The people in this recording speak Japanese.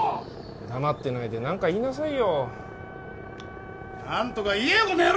黙ってないで何か言いなさいよ何とか言えよこの野郎！